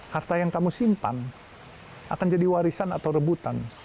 harta yang kamu simpan akan jadi warisan atau rebutan